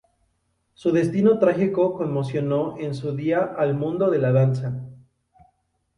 Su destino trágico conmocionó en su día al mundo de la danza.